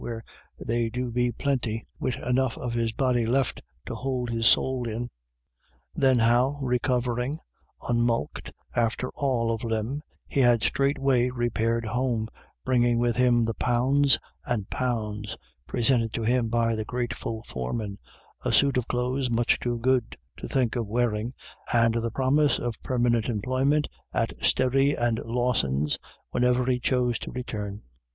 where they do be plinty, wid enough of his body left him to hould his sowl in." Then how, recover ing, unmulct after all of limb, he had straightway repaired home, bringing with him the "pounds and pounds " presented to him by the grateful foreman, a suit of clothes much too good to think of wear ing, and the promise of permanent employment at Sterry and Lawson's, whenever he chose to return.